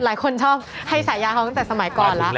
หลายคนชอบให้ฉายาเขาตั้งแต่สมัยก่อนแล้ว